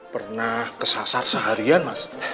pernah kesasar seharian mas